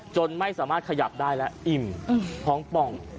จนไม่สามารถขยับได้และอิ่มท้องป่อง